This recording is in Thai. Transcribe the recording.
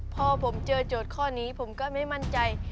พอผมเจอโจทย์ข้อนี้ผมก็ไม่มั่นใจ